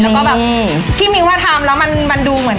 แล้วก็แบบที่มิ้นว่าทำแล้วมันดูเหมือน